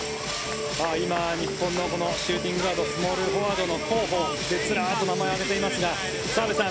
今、日本のシューティングガードスモールフォワードの候補がずらっと名前が挙がっていますが澤部さん